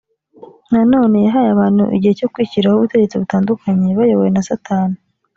nanone yahaye abantu igihe cyo kwishyiriraho ubutegetsi butandukanye bayobowe na satani